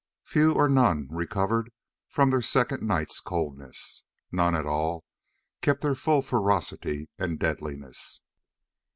Few or none recovered from their second nights' coldness. None at all kept their full ferocity and deadliness.